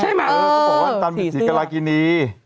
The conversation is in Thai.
ใช่ไหมเขาบอกว่าอาจารย์เป็นสีกรกินี